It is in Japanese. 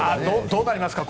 どうなりますか？